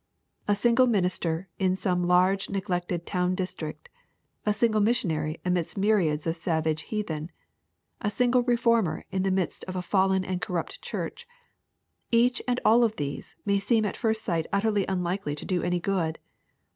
A single minister in some large neglected town district, — a single missionary amidst myriads of savage heathen, — a single reformer in the midst of a fallen and corrupt church, — each and all of these may seem at first sight utterly unlikely to do any good.